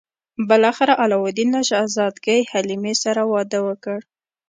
بالاخره علاوالدین له شهزادګۍ حلیمې سره واده وکړ.